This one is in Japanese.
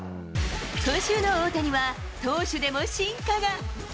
今週の大谷は、投手でも進化が。